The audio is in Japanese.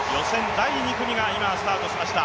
第２組が今スタートしました。